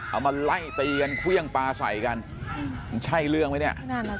เอามาไล่ตีกันเครื่องปลาใส่กันมันใช่เรื่องไหมเนี่ย